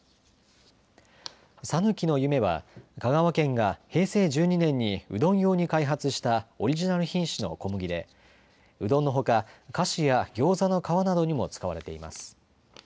さぬきの夢は香川県が平成１２年にうどん用に開発したオリジナル品種の小麦でうどんのほか菓子やギョーザの皮などにも使われています。